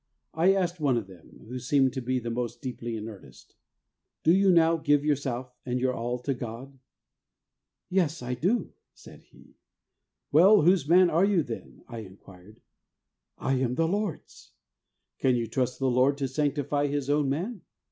I asked one of them, who seemed to be the most deeply in earnest, ' Do you now^ give your self and your all to God ?'' Yes, I do,' said he. ' Well, whose man are you, then ?' I in quired. ' I am the Lord's.' ' Can you trust the Lord to sanctify His own man